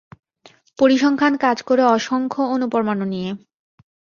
পরিসংখ্যান কাজ করে অসংখ্য অণুপরমাণু নিয়ে।